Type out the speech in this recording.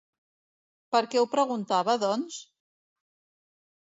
Per què ho preguntava, doncs?